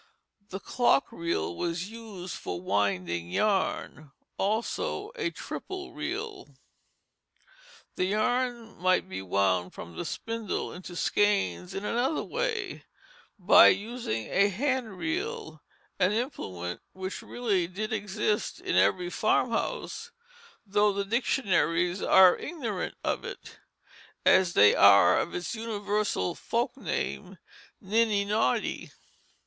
The clock reel was used for winding yarn, also a triple reel. The yarn might be wound from the spindle into skeins in another way, by using a hand reel, an implement which really did exist in every farmhouse, though the dictionaries are ignorant of it, as they are of its universal folk name, niddy noddy.